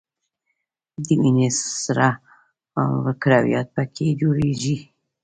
د وینې سره کرویات په ... کې جوړیږي.